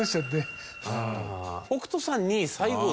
北斗さんに最後ですね